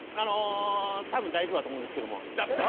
たぶん大丈夫だと思うんですけども。